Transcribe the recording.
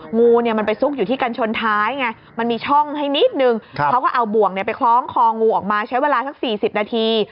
งูเนี่ยมันไปซุกอยู่ที่กันชนท้ายไงมันมีช่องให้นิดนึงเขาก็เอาบ่วงไปคล้องคองูออกมาใช้เวลาสัก๔๐นาที